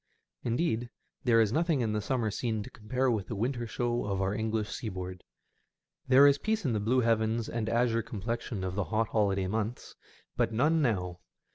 Indeed, there is nothing in the summer scene to compare with the winter show of our English seaboard. There is peace in the blue heavens and azure complexion of the hot holiday months, but none now.